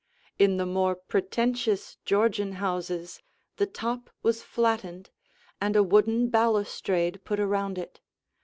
In the more pretentious Georgian houses, the top was flattened, and a wooden balustrade put around it.